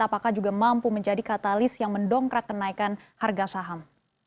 apakah juga mampu menjadi katalis yang mendongkrak kenaikan harga saham